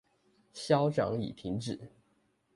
消長已停止